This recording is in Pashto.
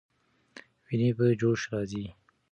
ويني په جوش راځي.